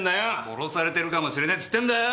殺されてるかもしれねぇって言ってんだよ！